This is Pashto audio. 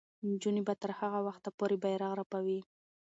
نجونې به تر هغه وخته پورې بیرغ رپوي.